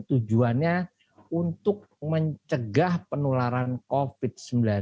tujuannya untuk mencegah penularan covid sembilan belas